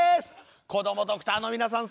こどもドクターの皆さん